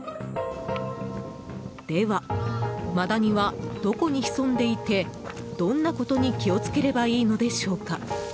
では、マダニはどこに潜んでいてどんなことに気をつければいいのでしょうか。